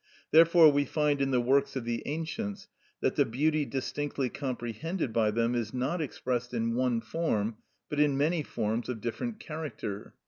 Therefore we find in the works of the ancients, that the beauty distinctly comprehended by them, is not expressed in one form, but in many forms of different character.